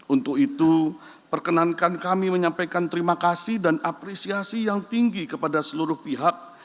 untuk itu perkenankan kami menyampaikan terima kasih dan apresiasi yang tinggi kepada seluruh pihak